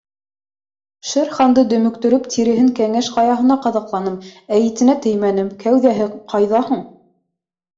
Шер Ханды дөмөктөрөп, тиреһен Кәңәш Ҡаяһына ҡаҙаҡланым, ә итенә теймәнем — кәүҙәһе ҡайҙа һуң?